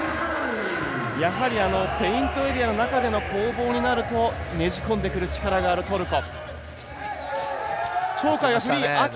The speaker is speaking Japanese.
やはりペイントエリアの中での攻防になるとねじ込んでくる力があるトルコ。